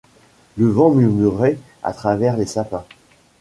Le vent murmurait à travers les sapins.